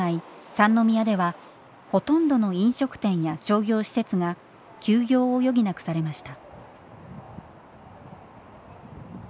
三宮ではほとんどの飲食店や商業施設が休業を余儀なくされました。